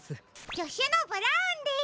じょしゅのブラウンです。